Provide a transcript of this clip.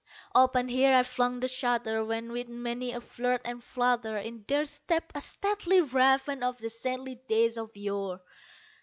Open here I flung the shutter, when, with many a flirt and flutter, In there stepped a stately raven of the saintly days of yore.